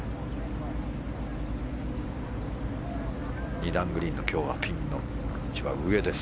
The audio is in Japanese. ２段グリーンの今日はピンの一番上です。